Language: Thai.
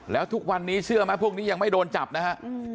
แล้วทุกวันนี้เชื่อไหมพวกนี้ยังไม่โดนจับนะฮะ